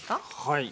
はい。